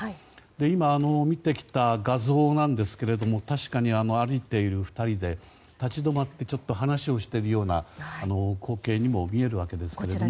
今、見てきた画像なんですが歩いている２人で立ち止まって話をしているような光景にも見えるわけですが。